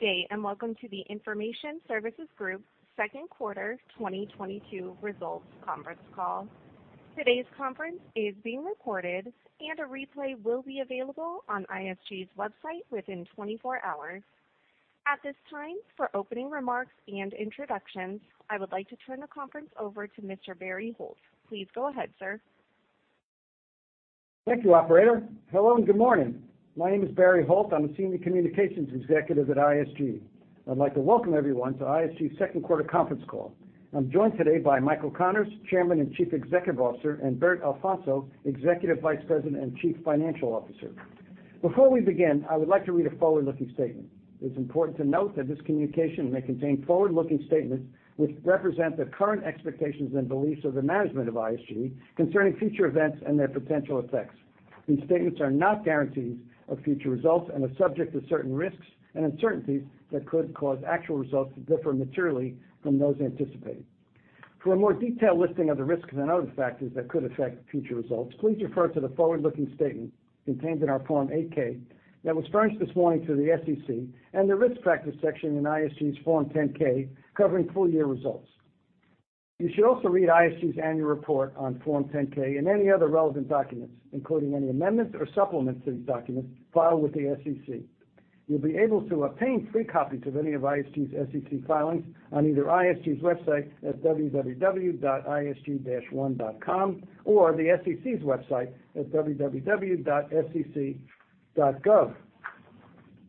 Good day, and welcome to the Information Services Group second quarter 2022 results conference call. Today's conference is being recorded and a replay will be available on ISG's website within 24 hours. At this time, for opening remarks and introductions, I would like to turn the conference over to Mr. Barry Holt. Please go ahead, sir. Thank you, operator. Hello and good morning. My name is Barry Holt. I'm a Senior Communications Executive at ISG. I'd like to welcome everyone to ISG second quarter conference call. I'm joined today by Michael Connors, Chairman and Chief Executive Officer, and Bert Alfonso, Executive Vice President and Chief Financial Officer. Before we begin, I would like to read a forward-looking statement. It's important to note that this communication may contain forward-looking statements, which represent the current expectations and beliefs of the management of ISG concerning future events and their potential effects. These statements are not guarantees of future results and are subject to certain risks and uncertainties that could cause actual results to differ materially from those anticipated. For a more detailed listing of the risks and other factors that could affect future results, please refer to the forward-looking statement contained in our Form 8-K that was furnished this morning to the SEC and the Risk Factors section in ISG's Form 10-K covering full year results. You should also read ISG's annual report on Form 10-K and any other relevant documents, including any amendments or supplements to these documents filed with the SEC. You'll be able to obtain free copies of any of ISG's SEC filings on either ISG's website at www.isg-one.com or the SEC's website at www.sec.gov.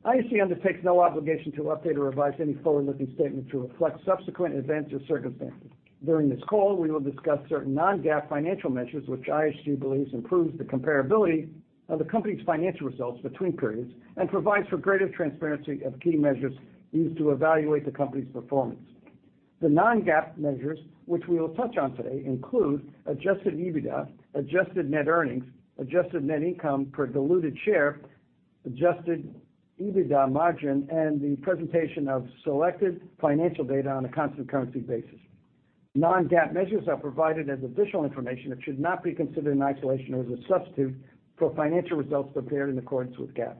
ISG undertakes no obligation to update or revise any forward-looking statement to reflect subsequent events or circumstances. During this call, we will discuss certain non-GAAP financial measures, which ISG believes improves the comparability of the company's financial results between periods and provides for greater transparency of key measures used to evaluate the company's performance. The non-GAAP measures, which we will touch on today, include adjusted EBITDA, adjusted net earnings, adjusted net income per diluted share, adjusted EBITDA margin, and the presentation of selected financial data on a constant currency basis. Non-GAAP measures are provided as additional information that should not be considered in isolation or as a substitute for financial results prepared in accordance with GAAP.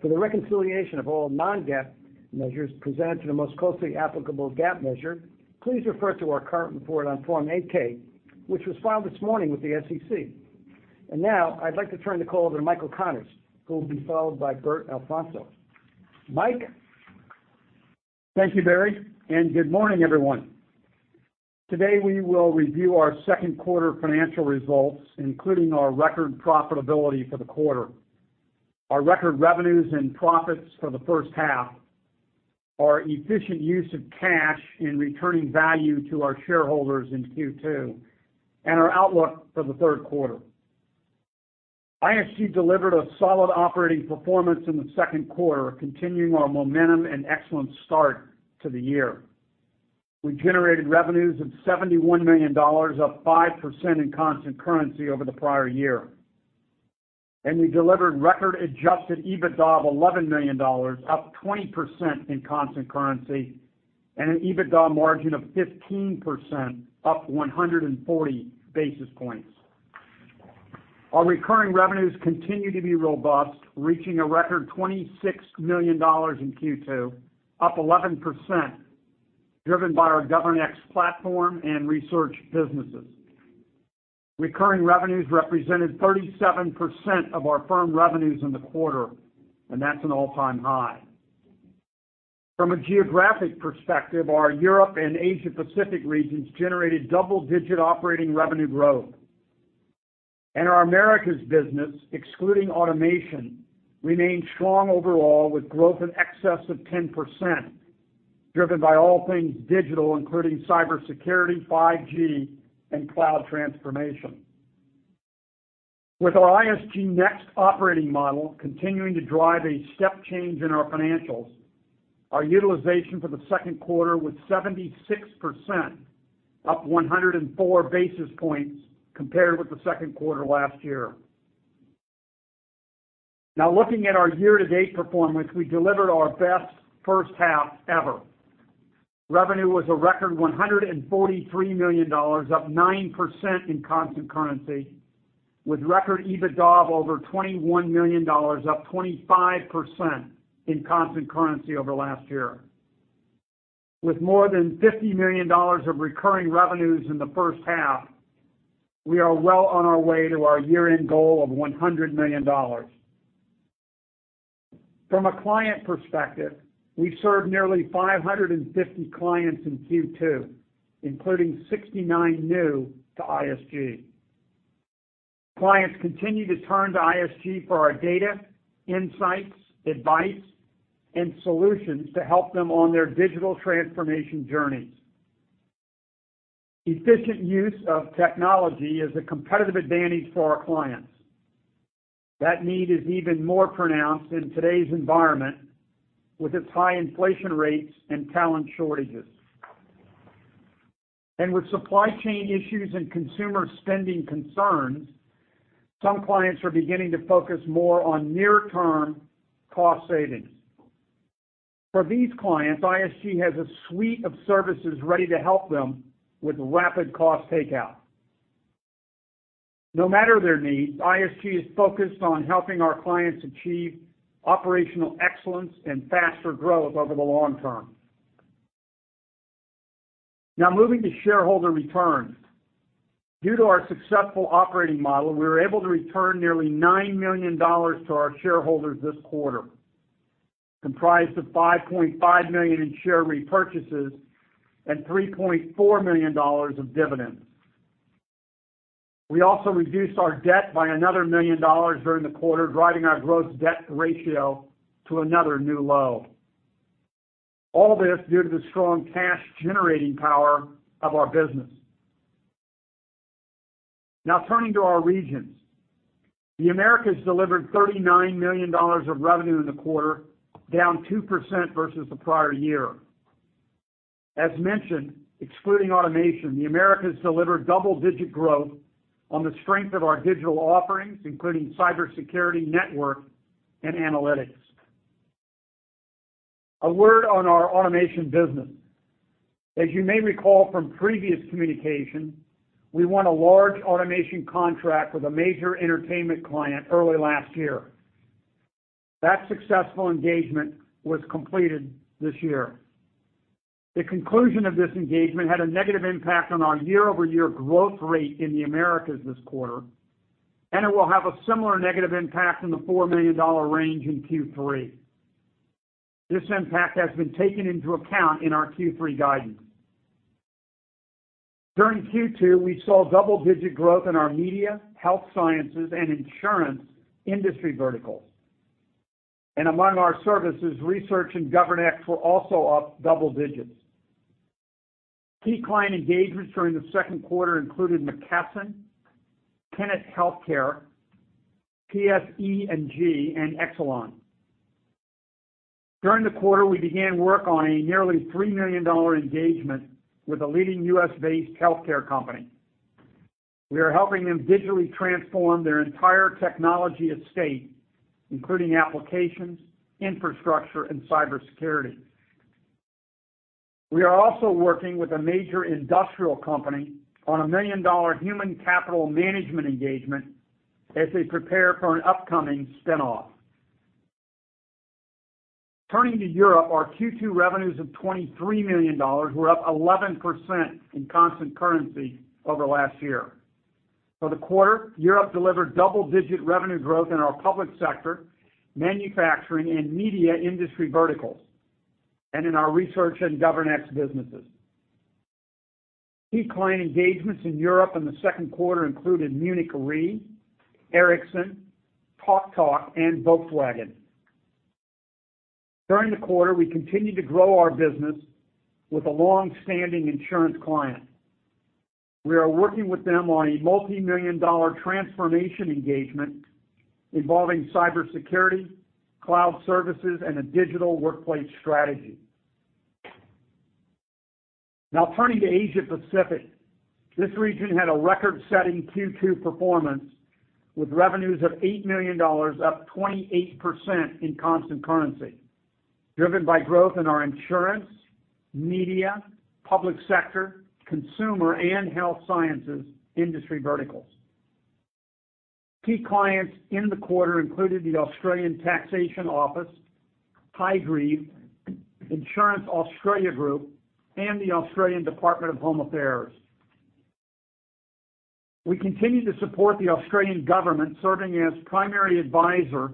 For the reconciliation of all non-GAAP measures presented to the most closely applicable GAAP measure, please refer to our current report on Form 8-K, which was filed this morning with the SEC. Now I'd like to turn the call over to Michael P. Connors, who will be followed by Humberto Alfonso. Mike? Thank you, Barry, and good morning, everyone. Today, we will review our second quarter financial results, including our record profitability for the quarter, our record revenues and profits for the first half, our efficient use of cash in returning value to our shareholders in Q2, and our outlook for the third quarter. ISG delivered a solid operating performance in the second quarter, continuing our momentum and excellent start to the year. We generated revenues of $71 million, up 5% in constant currency over the prior year. We delivered record adjusted EBITDA of $11 million, up 20% in constant currency, and an EBITDA margin of 15%, up 140 basis points. Our recurring revenues continue to be robust, reaching a record $26 million in Q2, up 11%, driven by our GovernX platform and research businesses. Recurring revenues represented 37% of our firm revenues in the quarter, and that's an all-time high. From a geographic perspective, our Europe and Asia Pacific regions generated double-digit operating revenue growth. Our Americas business, excluding automation, remained strong overall, with growth in excess of 10%, driven by all things digital, including cybersecurity, 5G, and cloud transformation. With our ISG Next operating model continuing to drive a step change in our financials, our utilization for the second quarter was 76%, up 104 basis points compared with the second quarter last year. Now looking at our year-to-date performance, we delivered our best first half ever. Revenue was a record $143 million, up 9% in constant currency, with record EBITDA of over $21 million, up 25% in constant currency over last year. With more than $50 million of recurring revenues in the first half, we are well on our way to our year-end goal of $100 million. From a client perspective, we served nearly 550 clients in Q2, including 69 new to ISG. Clients continue to turn to ISG for our data, insights, advice, and solutions to help them on their digital transformation journeys. Efficient use of technology is a competitive advantage for our clients. That need is even more pronounced in today's environment, with its high inflation rates and talent shortages. With supply chain issues and consumer spending concerns, some clients are beginning to focus more on near-term cost savings. For these clients, ISG has a suite of services ready to help them with rapid cost takeout. No matter their needs, ISG is focused on helping our clients achieve operational excellence and faster growth over the long term. Now moving to shareholder returns. Due to our successful operating model, we were able to return nearly $9 million to our shareholders this quarter, comprised of $5.5 million in share repurchases and $3.4 million of dividends. We also reduced our debt by another $1 million during the quarter, driving our gross debt ratio to another new low. All this due to the strong cash generating power of our business. Now turning to our regions. The Americas delivered $39 million of revenue in the quarter, down 2% versus the prior year. As mentioned, excluding automation, the Americas delivered double-digit growth on the strength of our digital offerings, including cybersecurity, network and analytics. A word on our automation business. As you may recall from previous communication, we won a large automation contract with a major entertainment client early last year. That successful engagement was completed this year. The conclusion of this engagement had a negative impact on our year-over-year growth rate in the Americas this quarter, and it will have a similar negative impact in the $4 million range in Q3. This impact has been taken into account in our Q3 guidance. During Q2, we saw double-digit growth in our media, health sciences, and insurance industry verticals. Among our services, research and GovernX were also up double digits. Key client engagements during the second quarter included McKesson, Tenet Healthcare, PSE&G, and Exelon. During the quarter, we began work on a nearly $3 million engagement with a leading U.S.-based healthcare company. We are helping them digitally transform their entire technology estate, including applications, infrastructure, and cybersecurity. We are also working with a major industrial company on a $1 million human capital management engagement as they prepare for an upcoming spin-off. Turning to Europe, our Q2 revenues of $23 million were up 11% in constant currency over last year. For the quarter, Europe delivered double-digit revenue growth in our public sector, manufacturing and media industry verticals, and in our research and GovernX businesses. Key client engagements in Europe in the second quarter included Munich Re, Ericsson, TalkTalk, and Volkswagen. During the quarter, we continued to grow our business with a long-standing insurance client. We are working with them on a multimillion-dollar transformation engagement involving cybersecurity, cloud services, and a digital workplace strategy. Now turning to Asia Pacific. This region had a record-setting Q2 performance with revenues of $8 million, up 28% in constant currency, driven by growth in our insurance, media, public sector, consumer, and health sciences industry verticals. Key clients in the quarter included the Australian Taxation Office, HCF, Insurance Australia Group, and the Australian Department of Home Affairs. We continue to support the Australian government, serving as primary advisor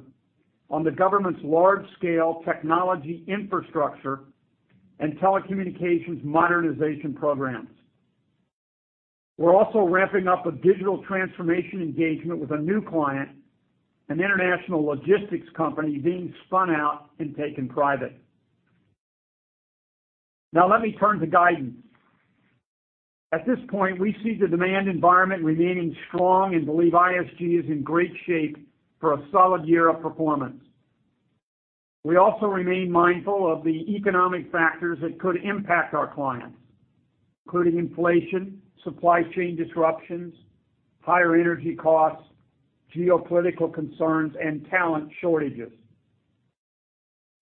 on the government's large-scale technology infrastructure and telecommunications modernization programs. We're also ramping up a digital transformation engagement with a new client, an international logistics company being spun out and taken private. Now let me turn to guidance. At this point, we see the demand environment remaining strong and believe ISG is in great shape for a solid year of performance. We also remain mindful of the economic factors that could impact our clients, including inflation, supply chain disruptions, higher energy costs, geopolitical concerns, and talent shortages.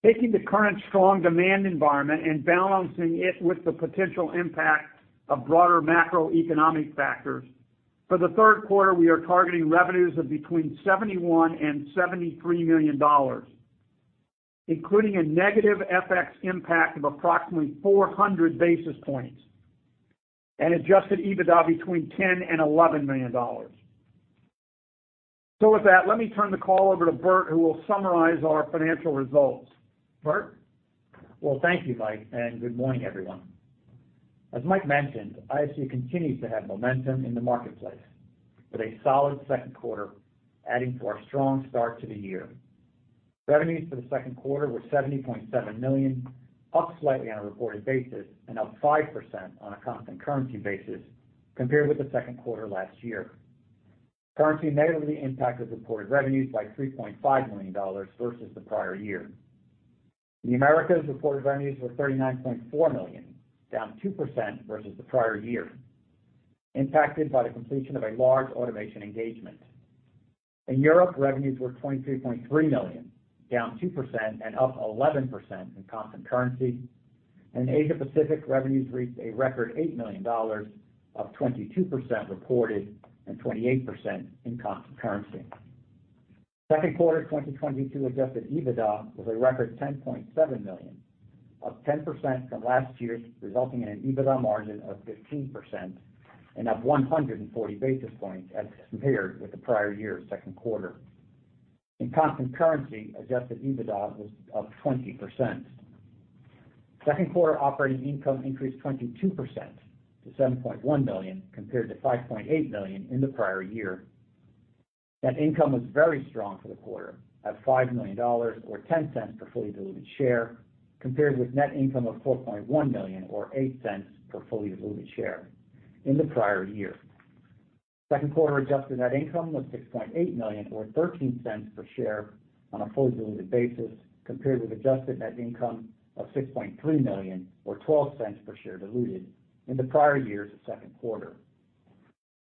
Taking the current strong demand environment and balancing it with the potential impact of broader macroeconomic factors, for the third quarter, we are targeting revenues of between $71 million and $73 million, including a negative FX impact of approximately 400 basis points, and adjusted EBITDA between $10 million and $11 million. With that, let me turn the call over to Bert, who will summarize our financial results. Bert? Well, thank you, Mike, and good morning, everyone. As Mike mentioned, ISG continues to have momentum in the marketplace with a solid second quarter adding to our strong start to the year. Revenues for the second quarter were $70.7 million, up slightly on a reported basis and up 5% on a constant currency basis compared with the second quarter last year. Currency negatively impacted reported revenues by $3.5 million versus the prior year. The Americas reported revenues were $39.4 million, down 2% versus the prior year, impacted by the completion of a large automation engagement. In Europe, revenues were $23.3 million, down 2% and up 11% in constant currency. In Asia Pacific, revenues reached a record $8 million, up 22% reported and 28% in constant currency. Second quarter 2022 adjusted EBITDA was a record $10.7 million, up 10% from last year's, resulting in an EBITDA margin of 15% and up 140 basis points as compared with the prior year's second quarter. In constant currency, adjusted EBITDA was up 20%. Second quarter operating income increased 22% to $7.1 million, compared to $5.8 million in the prior year. Net income was very strong for the quarter at $5 million or $0.10 per fully diluted share, compared with net income of $4.1 million or $0.08 per fully diluted share in the prior year. Second quarter adjusted net income was $6.8 million or $0.13 per share on a fully diluted basis, compared with adjusted net income of $6.3 million or $0.12 per share diluted in the prior year's second quarter.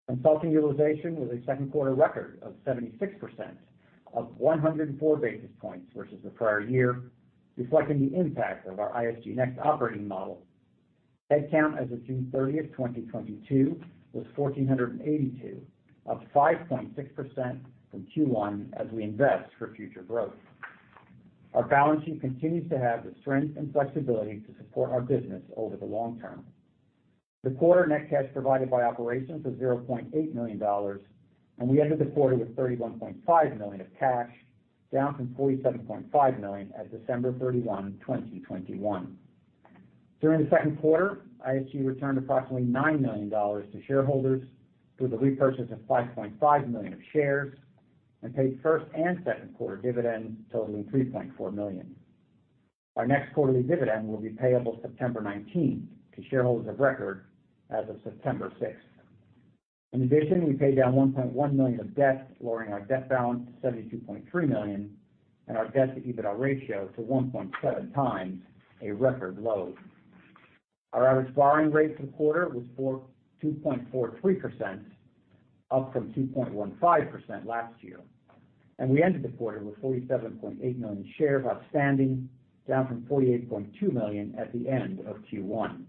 Consulting utilization was a second quarter record of 76%, up 104 basis points versus the prior year, reflecting the impact of our ISG Next operating model. Headcount as of June 30, 2022 was 1,482, up 5.6% from Q1 as we invest for future growth. Our balance sheet continues to have the strength and flexibility to support our business over the long term. The quarter net cash provided by operations was $0.8 million, and we ended the quarter with $31.5 million of cash, down from $47.5 million at December 31, 2021. During the second quarter, ISG returned approximately $9 million to shareholders through the repurchase of 5.5 million shares and paid first and second quarter dividends totaling $3.4 million. Our next quarterly dividend will be payable September 19 to shareholders of record as of September 6. In addition, we paid down $1.1 million of debt, lowering our debt balance to $72.3 million and our debt-to-EBITDA ratio to 1.7x, a record low. Our average borrowing rate for the quarter was 2.43%, up from 2.15% last year, and we ended the quarter with 47.8 million shares outstanding, down from 48.2 million at the end of Q1.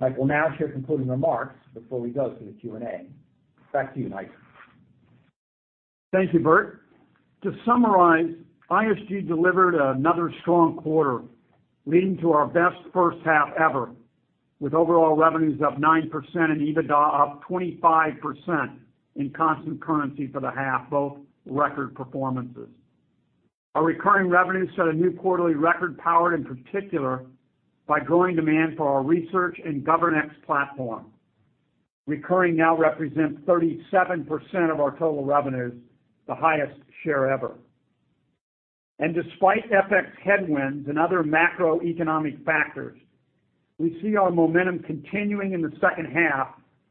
Mike will now share concluding remarks before we go to the Q&A. Back to you, Mike. Thank you, Bert. To summarize, ISG delivered another strong quarter, leading to our best first half ever, with overall revenues up 9% and EBITDA up 25% in constant currency for the half, both record performances. Our recurring revenues set a new quarterly record powered in particular by growing demand for our research and GovernX platform. Recurring now represents 37% of our total revenues, the highest share ever. Despite FX headwinds and other macroeconomic factors, we see our momentum continuing in the second half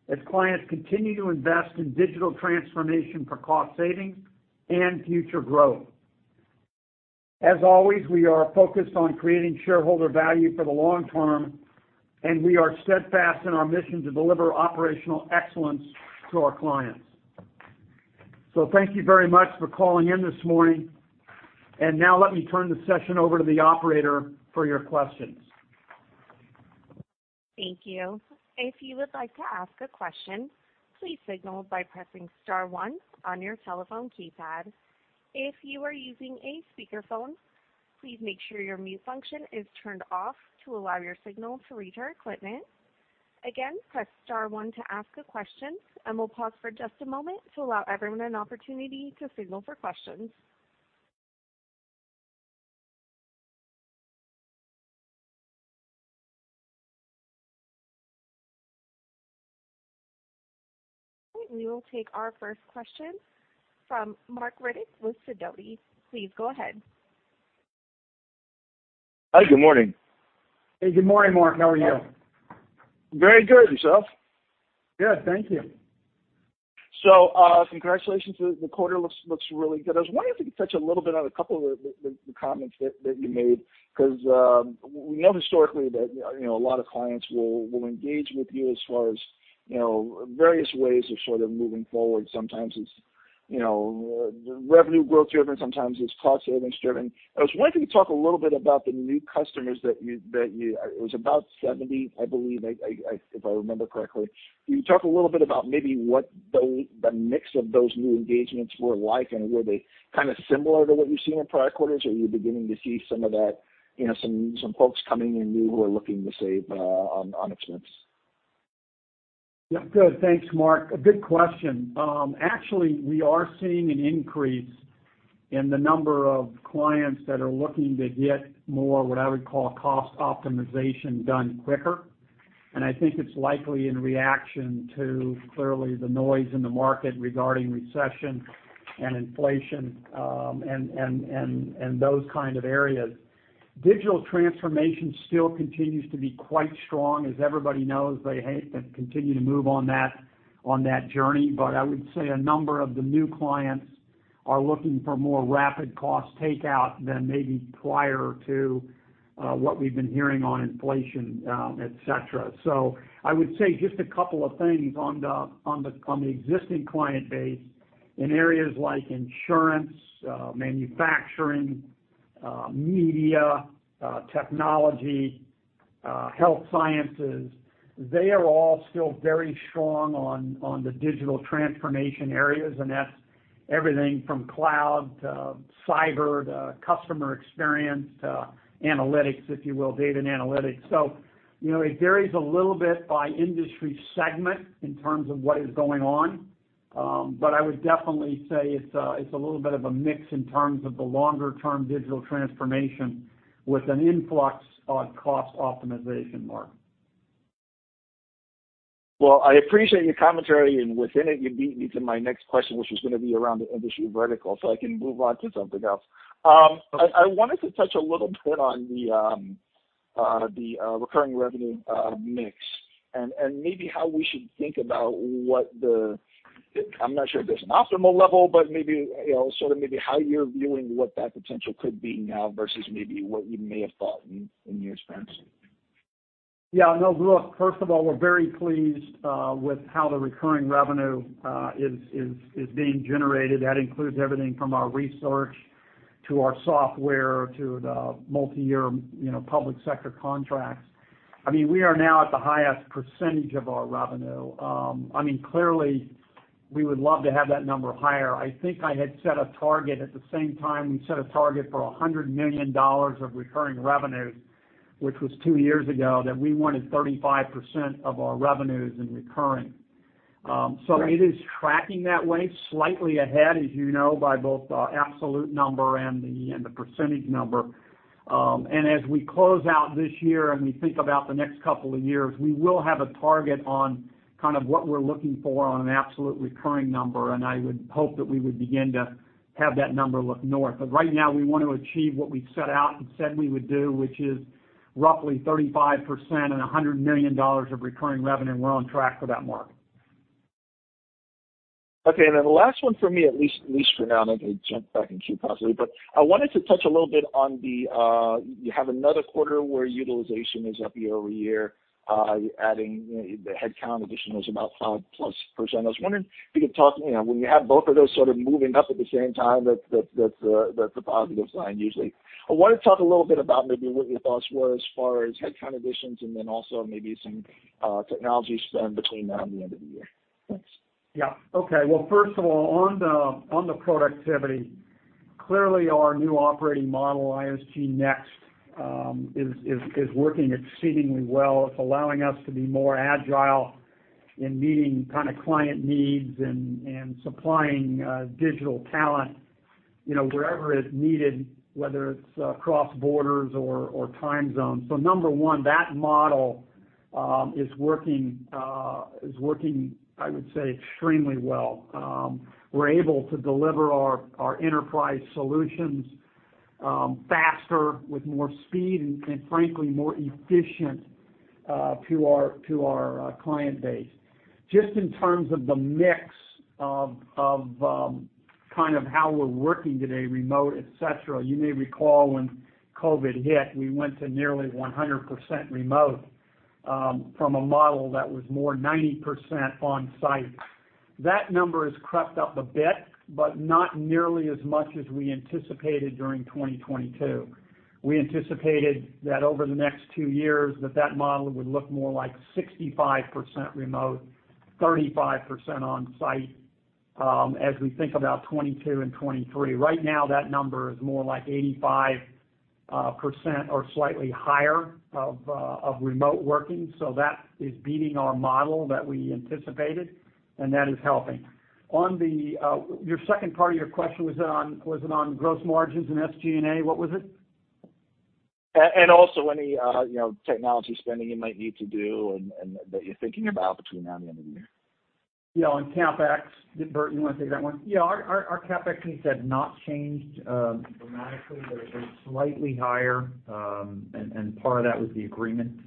as clients continue to invest in digital transformation for cost savings and future growth. As always, we are focused on creating shareholder value for the long term, and we are steadfast in our mission to deliver operational excellence to our clients. Thank you very much for calling in this morning. Now let me turn the session over to the operator for your questions. Thank you. If you would like to ask a question, please signal by pressing star one on your telephone keypad. If you are using a speakerphone, please make sure your mute function is turned off to allow your signal to reach our equipment. Again, press star one to ask a question, and we'll pause for just a moment to allow everyone an opportunity to signal for questions. We will take our first question from Marc Riddick with Sidoti. Please go ahead. Hi, good morning. Hey, good morning, Marc. How are you? Very good. Yourself? Good. Thank you. Congratulations. The quarter looks really good. I was wondering if you could touch a little bit on a couple of the comments that you made, because we know historically that you know a lot of clients will engage with you as far as you know various ways of sort of moving forward. Sometimes it's you know revenue growth driven, sometimes it's cost savings driven. I was wondering if you could talk a little bit about the new customers that you. It was about 70, I believe, if I remember correctly. Can you talk a little bit about maybe what the mix of those new engagements were like, and were they kind of similar to what you've seen in prior quarters, or are you beginning to see some of that, you know, some folks coming in new who are looking to save on expense? Yeah. Good. Thanks, Marc. A good question. Actually, we are seeing an increase in the number of clients that are looking to get more, what I would call, cost optimization done quicker. I think it's likely in reaction to clearly the noise in the market regarding recession and inflation, and those kind of areas. Digital transformation still continues to be quite strong. As everybody knows, they continue to move on that, on that journey. I would say a number of the new clients are looking for more rapid cost takeout than maybe prior to what we've been hearing on inflation, et cetera. I would say just a couple of things on the existing client base. In areas like insurance, manufacturing, media, technology, health sciences, they are all still very strong on the digital transformation areas. That's everything from cloud to cyber to customer experience to analytics, if you will, data and analytics. You know, it varies a little bit by industry segment in terms of what is going on. I would definitely say it's a little bit of a mix in terms of the longer-term digital transformation with an influx on cost optimization, Marc. Well, I appreciate your commentary, and within it, you beat me to my next question, which was gonna be around the industry vertical, so I can move on to something else. I wanted to touch a little bit on the recurring revenue mix and maybe how we should think about what. I'm not sure if there's an optimal level, but maybe, you know, sort of maybe how you're viewing what that potential could be now versus maybe what you may have thought in years past. Yeah, no, look, first of all, we're very pleased with how the recurring revenue is being generated. That includes everything from our research to our software to the multiyear, you know, public sector contracts. I mean, we are now at the highest percentage of our revenue. I mean, clearly, we would love to have that number higher. I think I had set a target at the same time we set a target for $100 million of recurring revenue, which was two years ago, that we wanted 35% of our revenues in recurring. It is tracking that way, slightly ahead, as you know, by both the absolute number and the percentage number. As we close out this year and we think about the next couple of years, we will have a target on kind of what we're looking for on an absolute recurring number, and I would hope that we would begin to have that number look north. Right now, we want to achieve what we set out and said we would do, which is roughly 35% and $100 million of recurring revenue. We're on track for that, Marc. Okay. And then the last one for me, at least for now, maybe jump back in queue possibly. But I wanted to touch a little bit on the, you have another quarter where utilization is up year-over-year, adding, you know, the headcount addition was about 5%+. I was wondering if you could talk, you know, when you have both of those sort of moving up at the same time, that's a positive sign usually. I wanna talk a little bit about maybe what your thoughts were as far as headcount additions and then also maybe some technology spend between now and the end of the year. Thanks. Yeah. Okay. Well, first of all, on the productivity, clearly our new operating model, ISG Next, is working exceedingly well. It's allowing us to be more agile in meeting kinda client needs and supplying digital talent, you know, wherever it's needed, whether it's across borders or time zones. Number one, that model is working, I would say, extremely well. We're able to deliver our enterprise solutions faster, with more speed and frankly, more efficient to our client base. Just in terms of the mix of kind of how we're working today, remote, et cetera, you may recall when COVID hit, we went to nearly 100% remote from a model that was more 90% on-site. That number has crept up a bit, but not nearly as much as we anticipated during 2022. We anticipated that over the next two years, that model would look more like 65% remote, 35% on-site, as we think about 2022 and 2023. Right now, that number is more like 85% or slightly higher of remote working. So that is beating our model that we anticipated, and that is helping. On the, your second part of your question, was it on gross margins and SG&A? What was it? Also any you know technology spending you might need to do and that you're thinking about between now and the end of the year. Yeah, on CapEx. Did Humberto wanna take that one? Yeah. Our CapEx needs have not changed dramatically. They're slightly higher, and part of that was the Agreemint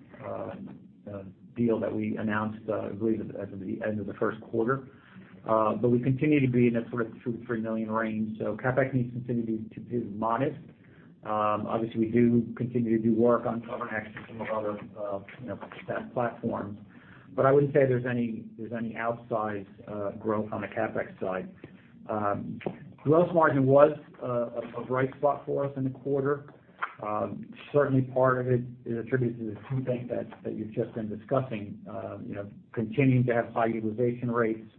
deal that we announced, I believe at the end of the first quarter. We continue to be in that sort of $2 million-$3 million range. CapEx needs continue to be modest. Obviously, we do continue to do work on GovernX and some of our other, you know, platforms. I wouldn't say there's any outsized growth on the CapEx side. Gross margin was a bright spot for us in the quarter. Certainly part of it is attributed to the two things that you've just been discussing. You know, continuing to have high utilization rates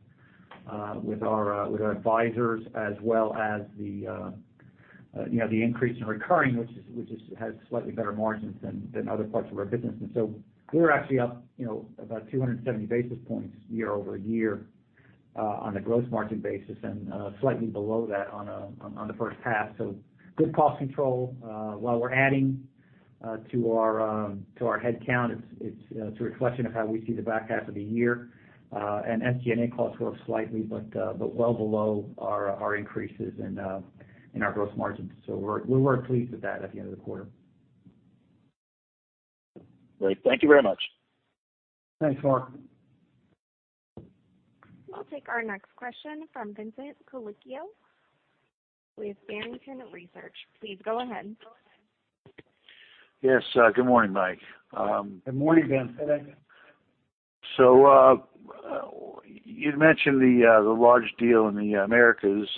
with our advisors as well as the increase in recurring, which has slightly better margins than other parts of our business. We're actually up, you know, about 270 basis points year-over-year on the gross margin basis and slightly below that on the first half. Good cost control. While we're adding to our headcount, it's a reflection of how we see the back half of the year. SG&A costs grew up slightly, but well below our increases and in our gross margins. We were pleased with that at the end of the quarter. Great. Thank you very much. Thanks, Marc. We'll take our next question from Vincent A. Colicchio with Barrington Research. Please go ahead. Yes. Good morning, Mike. Good morning, Vince. You'd mentioned the large deal in the Americas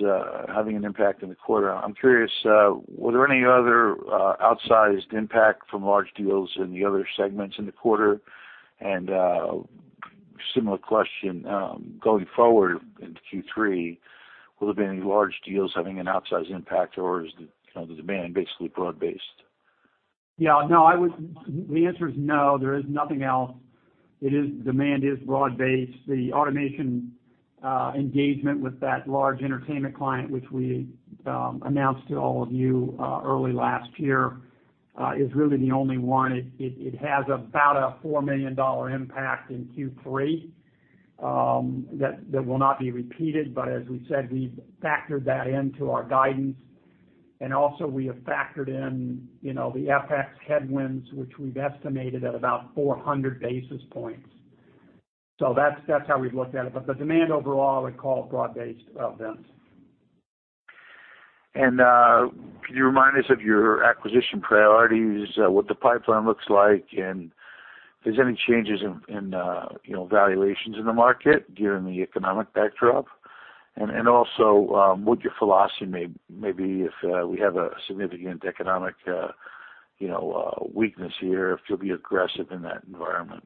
having an impact in the quarter. I'm curious, were there any other outsized impact from large deals in the other segments in the quarter? Similar question, going forward into Q3, will there be any large deals having an outsized impact, or is the kind of demand basically broad-based? Yeah, no. The answer is no, there is nothing else. Demand is broad-based. The automation engagement with that large entertainment client, which we announced to all of you early last year, is really the only one. It has about a $4 million impact in Q3 that will not be repeated. As we said, we've factored that into our guidance. We have factored in, you know, the FX headwinds, which we've estimated at about 400 basis points. That's how we've looked at it. The demand overall I'd call broad-based, Vince. Can you remind us of your acquisition priorities, what the pipeline looks like, and if there's any changes in you know, valuations in the market given the economic backdrop? Also, would your philosophy maybe if we have a significant economic you know, weakness here, if you'll be aggressive in that environment?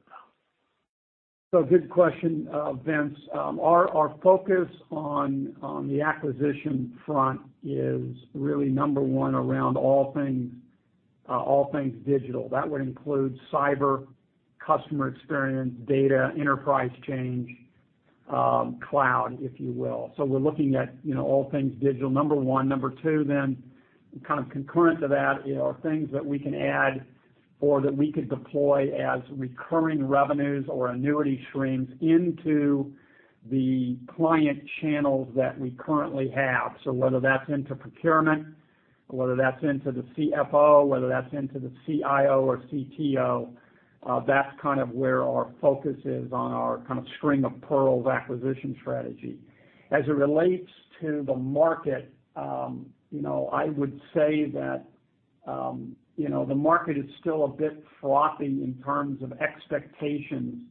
Good question, Vince. Our focus on the acquisition front is really number one around all things digital. That would include cyber, customer experience, data, enterprise change, cloud, if you will. We're looking at, you know, all things digital, number one. Number two, kind of concurrent to that, you know, are things that we can add or that we could deploy as recurring revenues or annuity streams into the client channels that we currently have. Whether that's into procurement, whether that's into the CFO, whether that's into the CIO or CTO, that's kind of where our focus is on our kind of string of pearls acquisition strategy. As it relates to the market, you know, I would say that, you know, the market is still a bit choppy in terms of expectations.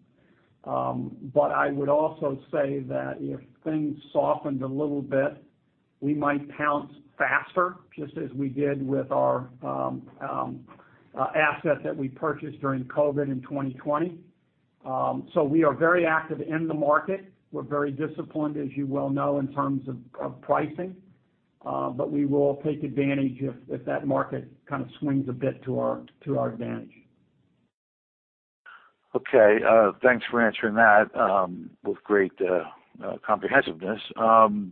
I would also say that if things softened a little bit, we might pounce faster, just as we did with our asset that we purchased during COVID in 2020. We are very active in the market. We're very disciplined, as you well know, in terms of pricing. We will take advantage if that market kind of swings a bit to our advantage. Okay. Thanks for answering that with great comprehensiveness. On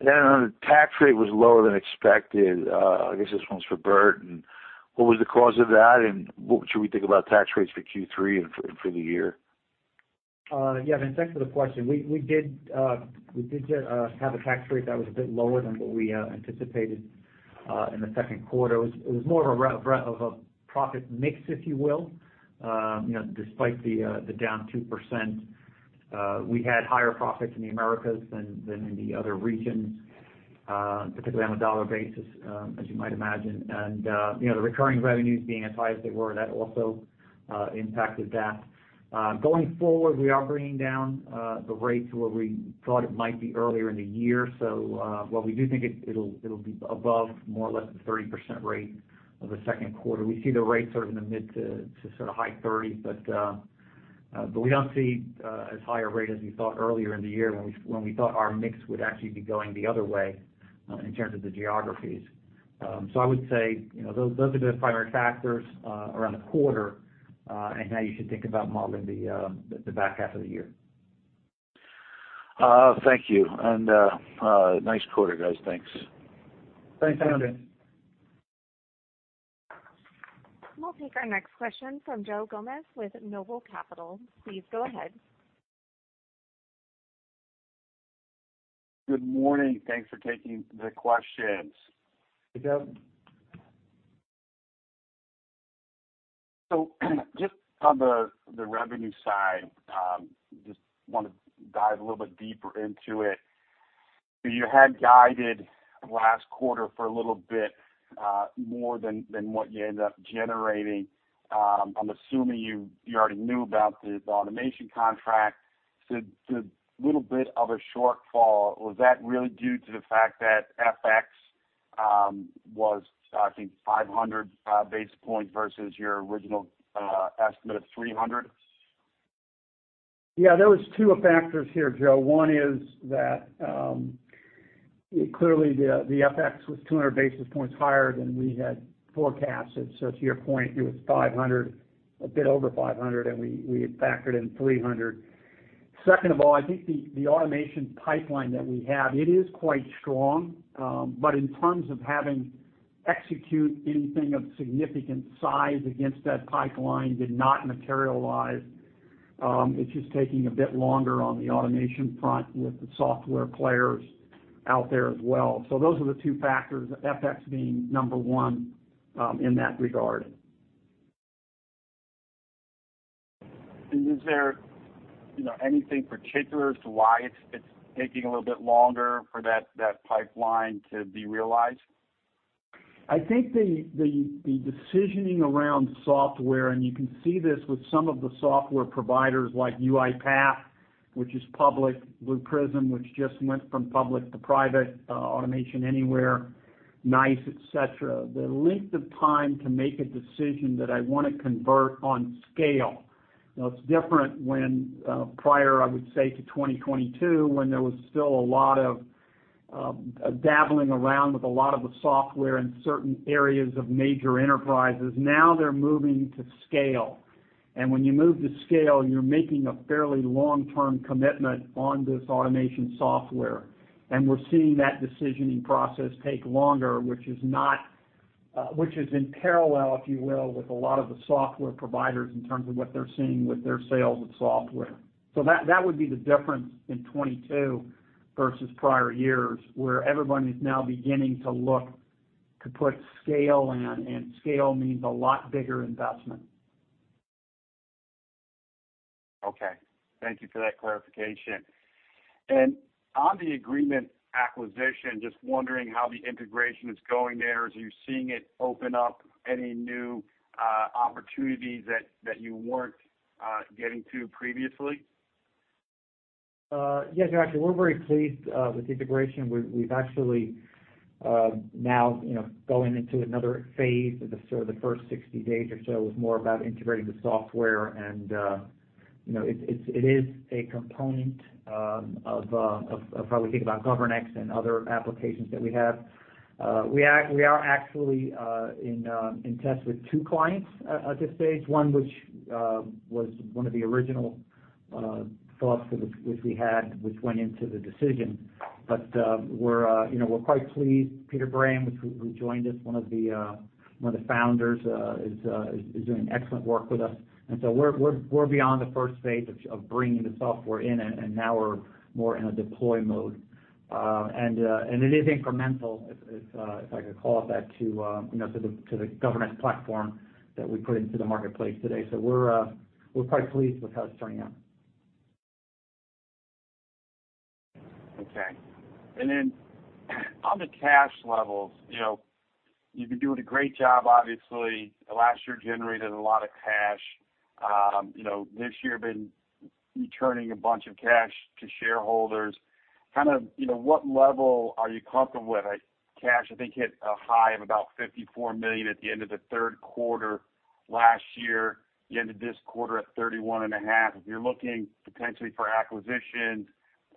the tax rate was lower than expected, I guess this one's for Bert. What was the cause of that? What should we think about tax rates for Q3 and for the year? Yeah, Vince, thanks for the question. We did have a tax rate that was a bit lower than what we anticipated in the second quarter. It was more of a profit mix, if you will. You know, despite the down 2%, we had higher profits in the Americas than in the other regions, particularly on a dollar basis, as you might imagine. You know, the recurring revenues being as high as they were, that also impacted that. Going forward, we are bringing down the rate to where we thought it might be earlier in the year. While we do think it'll be above more or less the 30% rate of the second quarter, we see the rates are in the mid- to sort of high 30s. We don't see as high a rate as we thought earlier in the year when we thought our mix would actually be going the other way in terms of the geographies. I would say, you know, those are the primary factors around the quarter and how you should think about modeling the back half of the year. Thank you, and nice quarter, guys. Thanks. Thanks. Thanks. We'll take our next question from Joe Gomes with Noble Capital. Please go ahead. Good morning. Thanks for taking the questions. Hey, Joe. Just on the revenue side, just wanna dive a little bit deeper into it. You had guided last quarter for a little bit more than what you ended up generating. I'm assuming you already knew about the automation contract. The little bit of a shortfall, was that really due to the fact that FX was, I think, 500 basis points versus your original estimate of 300? Yeah, there were two factors here, Joe. One is that, clearly the FX was 200 basis points higher than we had forecasted. To your point, it was 500, a bit over 500, and we had factored in 300. Second of all, I think the automation pipeline that we have, it is quite strong. In terms of having to execute anything of significant size against that pipeline did not materialize. It's just taking a bit longer on the automation front with the software players out there as well. Those are the two factors, FX being number one, in that regard. Is there, you know, anything particular as to why it's taking a little bit longer for that pipeline to be realized? I think the decisioning around software, and you can see this with some of the software providers like UiPath, which is public, Blue Prism, which just went from public to private, Automation Anywhere, NICE, et cetera. The length of time to make a decision that I wanna convert on scale, you know, it's different when prior, I would say, to 2022, when there was still a lot of dabbling around with a lot of the software in certain areas of major enterprises. Now they're moving to scale. When you move to scale, you're making a fairly long-term commitment on this automation software. We're seeing that decisioning process take longer, which is in parallel, if you will, with a lot of the software providers in terms of what they're seeing with their sales of software. That would be the difference in 2022 versus prior years, where everyone is now beginning to look to put scale in, and scale means a lot bigger investment. Okay. Thank you for that clarification. On the Agreemint acquisition, just wondering how the integration is going there. Are you seeing it open up any new opportunities that you weren't getting to previously? Yes, actually, we're very pleased with the integration. We've actually now, you know, going into another phase. The first 60 days or so was more about integrating the software and, you know, it is a component of how we think about GovernX and other applications that we have. We are actually in test with two clients at this stage. One which was one of the original thoughts which we had, which went into the decision. We're quite pleased. Peter Bray, who joined us, one of the founders, is doing excellent work with us. We're beyond the first phase of bringing the software in, and now we're more in a deploy mode. It is incremental, if I could call it that, to you know, to the Governance platform that we put into the marketplace today. We're quite pleased with how it's turning out. Okay. On the cash levels, you know, you've been doing a great job, obviously. Last year, generated a lot of cash. You know, this year been returning a bunch of cash to shareholders. Kind of, you know, what level are you comfortable with? Cash, I think, hit a high of about $54 million at the end of the third quarter last year, the end of this quarter at $31.5 million. If you're looking potentially for acquisitions,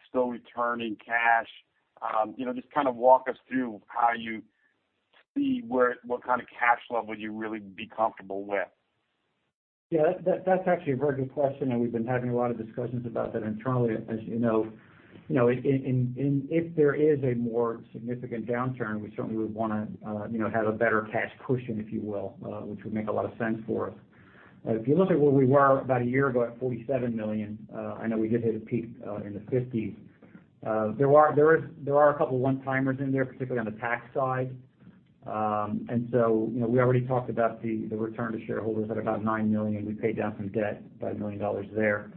still returning cash, you know, just kind of walk us through how you see what kind of cash level you'd really be comfortable with. Yeah, that's actually a very good question, and we've been having a lot of discussions about that internally. As you know, and if there is a more significant downturn, we certainly would wanna have a better cash cushion, if you will, which would make a lot of sense for us. If you look at where we were about a year ago, at $47 million, I know we did hit a peak in the 50s. There are a couple one-timers in there, particularly on the tax side. You know, we already talked about the return to shareholders at about $9 million. We paid down some debt, about $1 million there.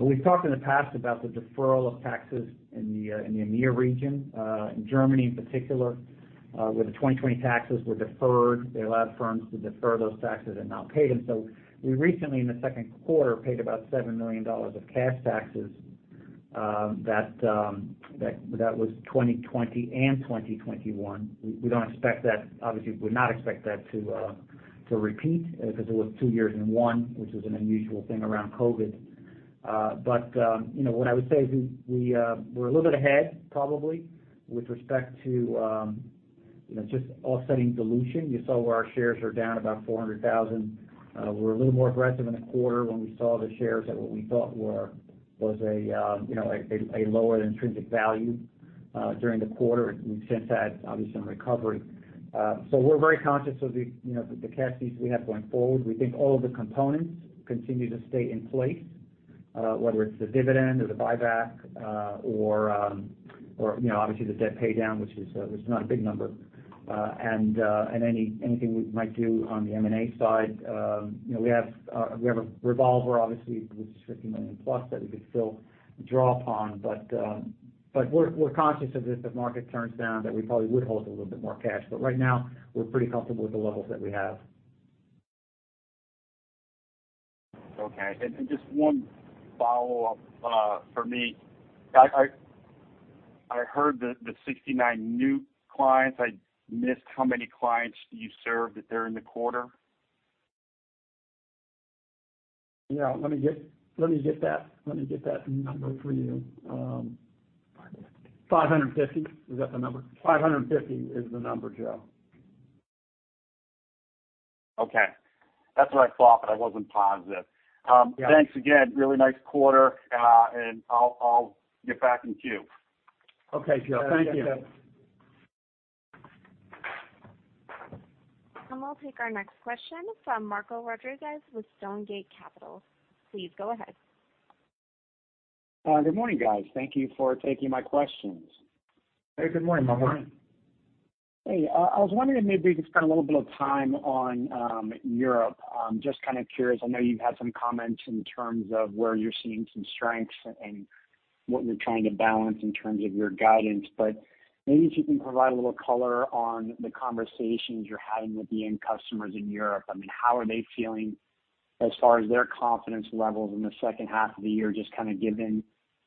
We've talked in the past about the deferral of taxes in the EMEA region, in Germany in particular, where the 2020 taxes were deferred. They allowed firms to defer those taxes and not pay them. We recently, in the second quarter, paid about $7 million of cash taxes, that was 2020 and 2021. We don't expect that obviously would not expect that to repeat, because it was two years in one, which is an unusual thing around COVID. You know, what I would say is we're a little bit ahead probably with respect to just offsetting dilution. You saw where our shares are down about 400,000. We're a little more aggressive in the quarter when we saw the shares at what we thought was a lower intrinsic value during the quarter. We've since had, obviously, some recovery. We're very conscious of the you know, the cash needs we have going forward. We think all of the components continue to stay in place, whether it's the dividend or the buyback, or you know, obviously the debt pay down, which is not a big number, and anything we might do on the M&A side. You know, we have a revolver, obviously, which is $50 million plus that we could still draw upon. We're conscious of this, if market turns down, that we probably would hold a little bit more cash. Right now, we're pretty comfortable with the levels that we have. Okay. Just one follow-up for me. I heard the 69 new clients. I missed how many clients you served in total in the quarter. Yeah. Let me get that number for you. 5:50. 550. Is that the number? 550 is the number, Joe. Okay. That's what I thought, but I wasn't positive. Yeah. Thanks again. Really nice quarter. I'll get back in queue. Okay, Joe. Thank you. Thanks, Joe. We'll take our next question from Marco Rodriguez with Stonegate Capital. Please go ahead. Good morning, guys. Thank you for taking my questions. Hey, good morning, Marco. Hey, I was wondering maybe if you could spend a little bit of time on Europe. I'm just kinda curious. I know you've had some comments in terms of where you're seeing some strengths and what you're trying to balance in terms of your guidance. Maybe if you can provide a little color on the conversations you're having with the end customers in Europe. I mean, how are they feeling as far as their confidence levels in the second half of the year? Just kinda given,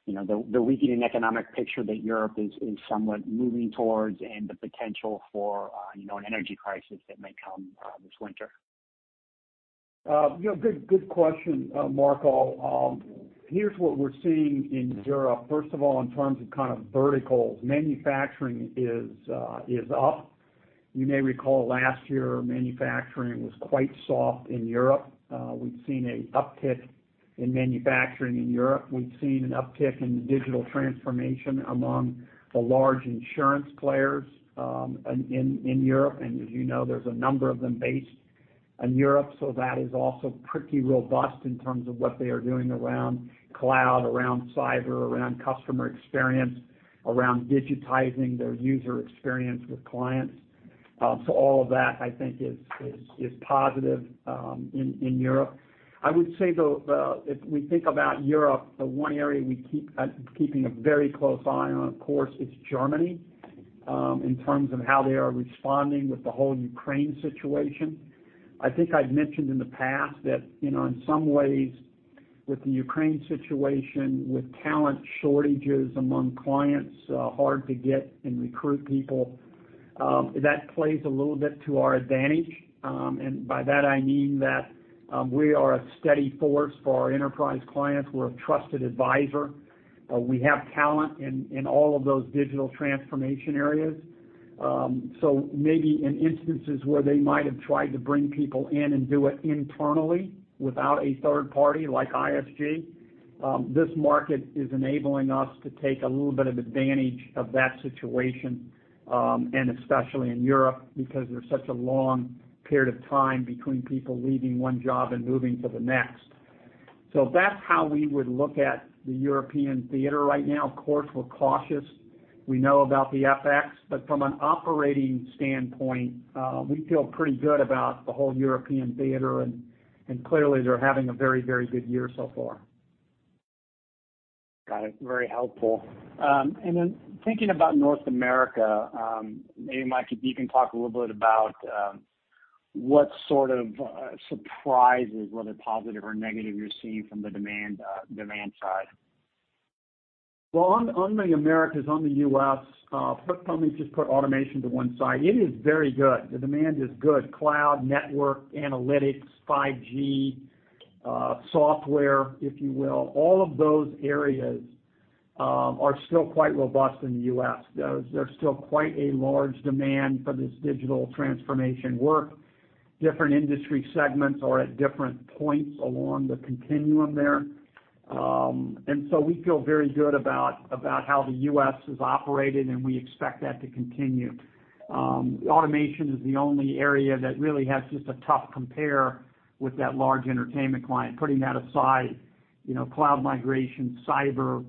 you know, the weakening economic picture that Europe is somewhat moving towards and the potential for, you know, an energy crisis that may come this winter. You know, good question, Marco. Here's what we're seeing in Europe, first of all, in terms of kind of verticals. Manufacturing is up. You may recall last year manufacturing was quite soft in Europe. We've seen an uptick in manufacturing in Europe. We've seen an uptick in digital transformation among the large insurance players in Europe. As you know, there's a number of them based in Europe, so that is also pretty robust in terms of what they are doing around cloud, around cyber, around customer experience, around digitizing their user experience with clients. All of that I think is positive in Europe. I would say, though, if we think about Europe, the one area we keep a very close eye on, of course, is Germany, in terms of how they are responding with the whole Ukraine situation. I think I'd mentioned in the past that, you know, in some ways with the Ukraine situation, with talent shortages among clients, hard to get and recruit people, that plays a little bit to our advantage. And by that I mean that, we are a steady force for our enterprise clients. We're a trusted advisor. We have talent in all of those digital transformation areas. Maybe in instances where they might have tried to bring people in and do it internally without a third party like ISG, this market is enabling us to take a little bit of advantage of that situation, and especially in Europe because there's such a long period of time between people leaving one job and moving to the next. That's how we would look at the European theater right now. Of course, we're cautious. We know about the FX. From an operating standpoint, we feel pretty good about the whole European theater, and clearly they're having a very, very good year so far. Got it. Very helpful. Thinking about North America, maybe, Mike, if you can talk a little bit about what sort of surprises, whether positive or negative, you're seeing from the demand side. On the Americas, on the U.S., let me just put automation to one side, it is very good. The demand is good. Cloud, network, analytics, 5G, software, if you will, all of those areas are still quite robust in the U.S. Those, there's still quite a large demand for this digital transformation work. Different industry segments are at different points along the continuum there. We feel very good about how the U.S. has operated, and we expect that to continue. Automation is the only area that really has just a tough compare with that large entertainment client. Putting that aside, you know, cloud migration, cyber,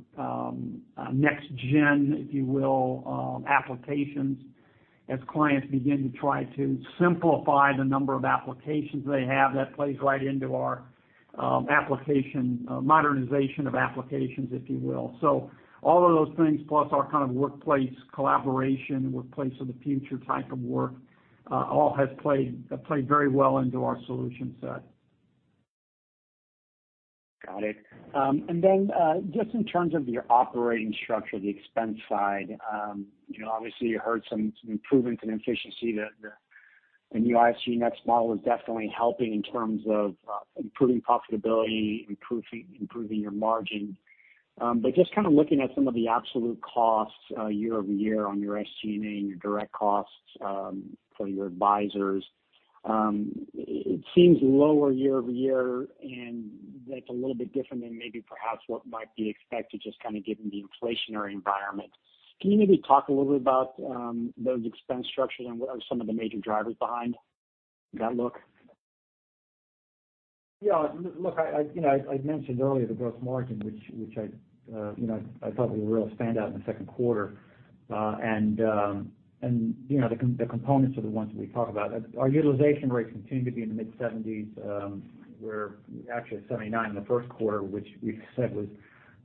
next gen, if you will, applications, as clients begin to try to simplify the number of applications they have, that plays right into our application modernization of applications, if you will. All of those things, plus our kind of workplace collaboration, workplace of the future type of work, all has played very well into our solution set. Got it. And then, just in terms of your operating structure, the expense side, you know, obviously you heard some improvements in efficiency. The new ISG Next model is definitely helping in terms of improving profitability, improving your margin. But just kinda looking at some of the absolute costs, year-over-year on your SG&A and your direct costs, for your advisors, it seems lower year-over-year, and that's a little bit different than maybe perhaps what might be expected just kinda given the inflationary environment. Can you maybe talk a little bit about those expense structures and what are some of the major drivers behind that look? Yeah. Look, you know, I'd mentioned earlier the gross margin, which I'd, you know, I thought was a real standout in the second quarter. And you know, the components are the ones we talk about. Our utilization rates continue to be in the mid-70s. We're actually at 79 in the first quarter, which we said was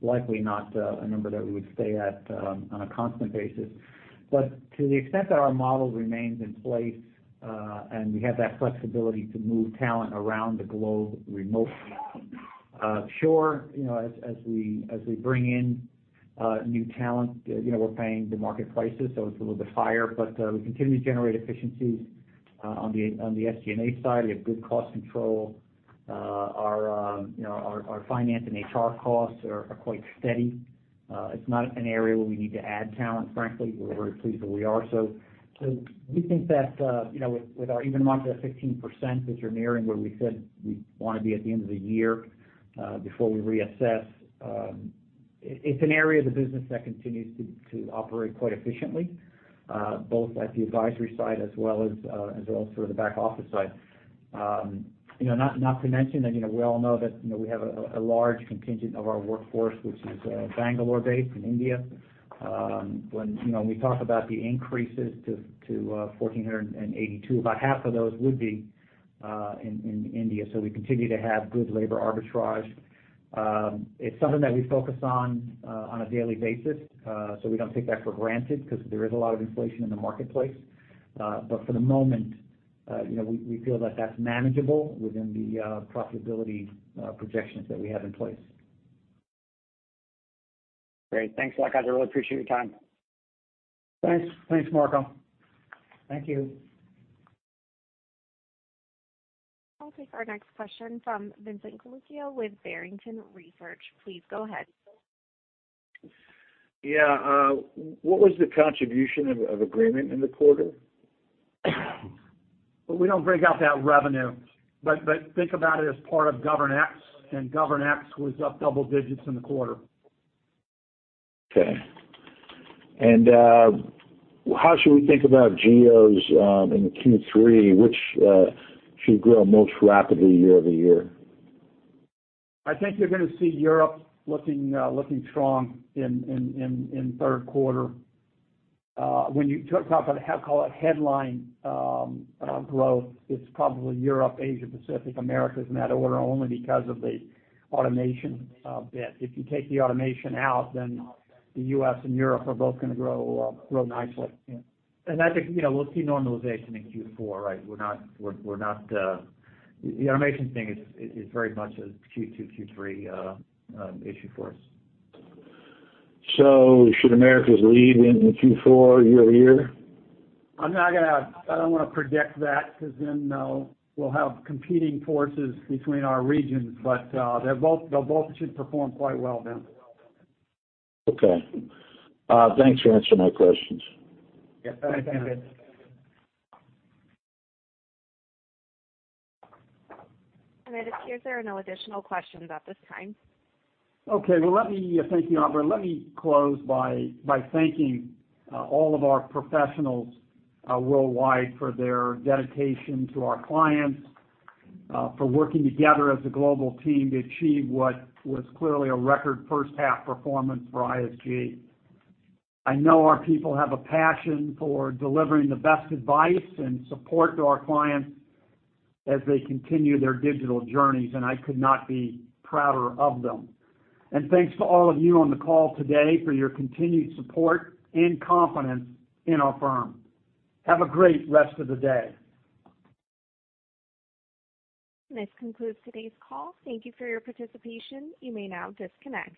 likely not a number that we would stay at on a constant basis. But to the extent that our model remains in place and we have that flexibility to move talent around the globe remotely, sure, you know, as we bring in new talent, you know, we're paying the market prices, so it's a little bit higher. But we continue to generate efficiencies on the SG&A side. We have good cost control. You know, our finance and HR costs are quite steady. It's not an area where we need to add talent, frankly. We're very pleased where we are. We think that, you know, with our SG&A at 15%, which are nearing where we said we wanna be at the end of the year, before we reassess, it's an area of the business that continues to operate quite efficiently, both at the advisory side as well as sort of the back office side. You know, not to mention that, you know, we all know that, you know, we have a large contingent of our workforce, which is Bangalore-based in India. When, you know, we talk about the increases to 1,482, about half of those would be in India. We continue to have good labor arbitrage. It's something that we focus on a daily basis, so we don't take that for granted because there is a lot of inflation in the marketplace. For the moment, you know, we feel that that's manageable within the profitability projections that we have in place. Great. Thanks a lot, guys. I really appreciate your time. Thanks. Thanks, Marco. Thank you. I'll take our next question from Vincent Colicchio with Barrington Research. Please go ahead. Yeah. What was the contribution of Agreemint in the quarter? We don't break out that revenue, but think about it as part of GovernX, and GovernX was up double digits in the quarter. Okay. How should we think about geos in Q3? Which should grow most rapidly year-over-year? I think you're gonna see Europe looking strong in third quarter. When you talk about how call it headline growth, it's probably Europe, Asia, Pacific, Americas, in that order, only because of the automation bit. If you take the automation out, then the U.S. and Europe are both gonna grow nicely. Yeah. I think, you know, we'll see normalization in Q4, right? We're not. The automation thing is very much a Q2, Q3 issue for us. Should Americas lead in Q4 year-over-year? I don't wanna predict that 'cause then we'll have competing forces between our regions. They both should perform quite well then. Okay. Thanks for answering my questions. Yeah. Thanks. Thanks. It appears there are no additional questions at this time. Okay. Well, let me thank you, Operator. Let me close by thanking all of our professionals worldwide for their dedication to our clients for working together as a global team to achieve what was clearly a record first half performance for ISG. I know our people have a passion for delivering the best advice and support to our clients as they continue their digital journeys, and I could not be prouder of them. Thanks to all of you on the call today for your continued support and confidence in our firm. Have a great rest of the day. This concludes today's call. Thank you for your participation. You may now disconnect.